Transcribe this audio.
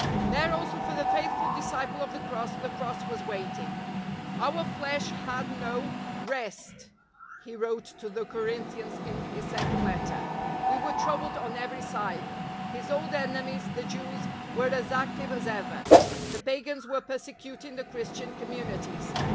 There also for the faithful disciple of the Cross the Cross was waiting. " Our flesh had no 90 LIFE OF ST. PAUL rest/' lie wrote to the Corinthians in his second letter; '■ we were troubled on every side." His old enemies, the Jews, were as active as ever; the pagans were persecuting the Christian communities.